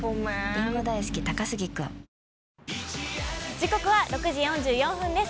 時刻は６時４４分です。